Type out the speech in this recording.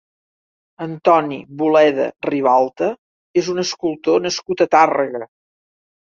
Antoni Boleda Ribalta és un escultor nascut a Tàrrega.